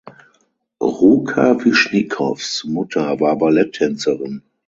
Rukawischnikows Mutter war Balletttänzerin.